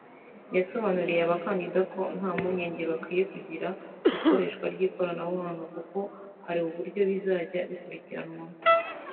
yasobanuriye abakandida ko nta mpungenge bakwiye kugira ku ikoreshwa ry’ikoranabuhanga kuko hari uburyo bizajya bikurikiranwamo